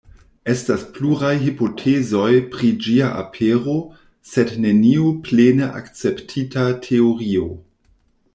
Estas pluraj hipotezoj pri ĝia apero, sed neniu plene akceptita teorio.